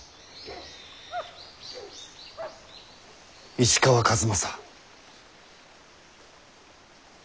石川数正。